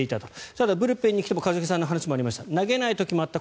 ただ、ブルペンに来ても一茂さんの話にもありました投げない時もあった